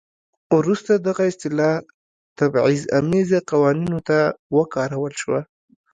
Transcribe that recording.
وروسته دغه اصطلاح تبعیض امیزه قوانینو ته وکارول شوه.